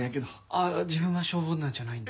あっ自分は消防団じゃないんで。